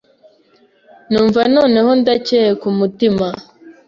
numva noneho ndakeye ku mutima